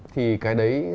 thì cái đấy